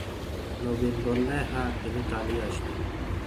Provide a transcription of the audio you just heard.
নবীন বললে, হাঁ, তিনি কালই আসবেন।